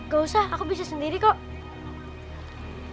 gak usah aku bisa sendiri kok